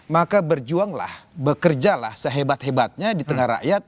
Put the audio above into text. maka berjuanglah bekerjalah sehebat hebatnya di tengah rakyat